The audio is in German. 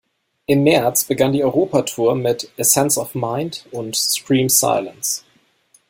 Im März begann die Europatour mit Essence of Mind und Scream Silence.